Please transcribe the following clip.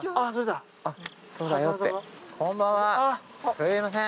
すみません。